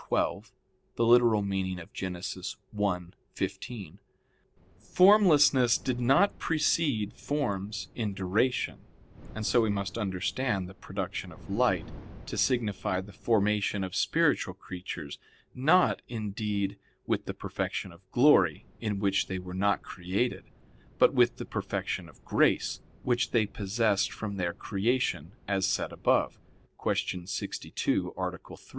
xii; Gen. ad lit. 1, 15), formlessness did not precede forms in duration; and so we must understand the production of light to signify the formation of spiritual creatures, not, indeed, with the perfection of glory, in which they were not created, but with the perfection of grace, which they possessed from their creation as said above (Q. 62, A. 3).